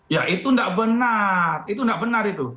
ya itu enggak benar